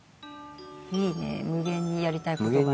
いいね無限にやりたい事がね。